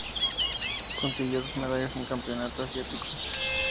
Consiguió dos medallas en Campeonato Asiático.